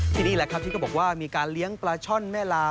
นี่แหละครับที่ก็บอกว่ามีการเลี้ยงปลาช่อนแม่ลา